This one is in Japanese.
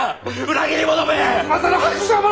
裏切り者め！